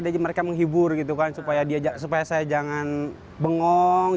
jadi mereka menghibur gitu kan supaya saya jangan bengong